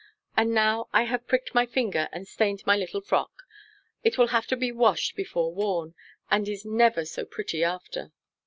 and now I have pricked my finger and stained my little frock. It will have to be washed before worn, and is never so pretty after."